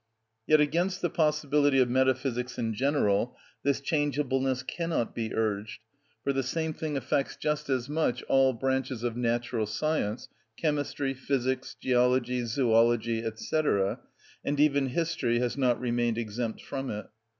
Yet against the possibility of metaphysics in general this changeableness cannot be urged, for the same thing affects just as much all branches of natural science, chemistry, physics, geology, zoology, &c., and even history has not remained exempt from it.